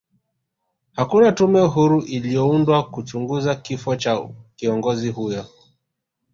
hakuna tume huru iliyoundwa kuchunguza kifo cha kiongozi huyo